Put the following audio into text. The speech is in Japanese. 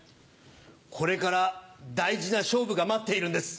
これから大事な勝負が待っているんです。